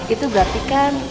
itu berarti kan